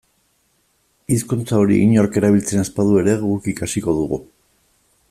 Hizkuntza hori inork erabiltzen ez badu ere guk ikasiko dugu.